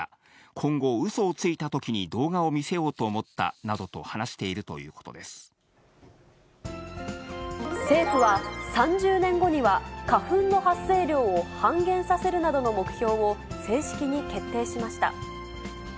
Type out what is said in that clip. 今後、うそをついたときに動画を見せようと思ったなどと話してい政府は、３０年後には花粉の発生量を半減させるなどの目標を正式に決定しました。